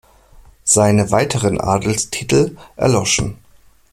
Seine weiteren Adelstitel erloschen.